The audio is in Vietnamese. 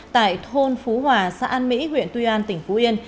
tại thôn phú hòa xã an mỹ huyện tuy an tỉnh phú yên